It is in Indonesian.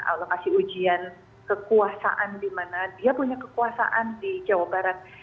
allah kasih ujian kekuasaan di mana dia punya kekuasaan di jawa barat